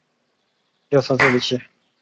但是最后是否刊发则由编委会全体决定。